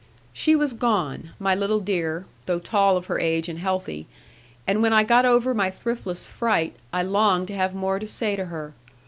She was gone, my little dear (though tall of her age and healthy); and when I got over my thriftless fright, I longed to have more to say to her.